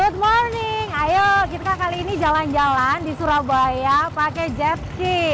good morning ayo kita kali ini jalan jalan di surabaya pakai jet ski